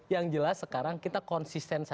yang jelas sekarang kita konsisten